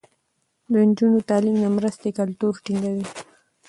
د نجونو تعليم د مرستې کلتور ټينګوي.